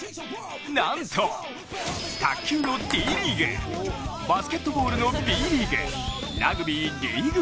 なんと、卓球のＴリーグ、バスケットボールのＢリーグ、ラグビーＬＥＡＧＵＥＯＮＥ。